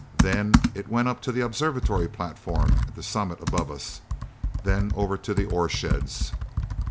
Then it went up to the observatory platform at the summit above us, then over to the ore sheds.